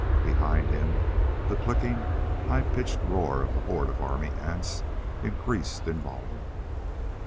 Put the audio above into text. Behind him the clicking, high pitched roar of the horde of army ants increased in volume.